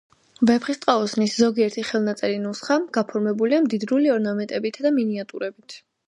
ვეფხისტყაოსნის ზოგიერთი ხელნაწერი ნუსხა გაფორმებულია მდიდრული ორნამენტებითა და მინიატიურებით.